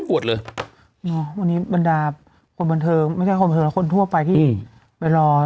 วันนี้บรรดาโบราณเทอมไม่ใช่คนบรรเทอมคนทั่วไปที่ไปรอ